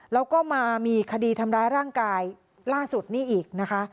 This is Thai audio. แล้วก็มามีคดีทำร้ายร่างกายล่าสุดนี่อีกนะคะ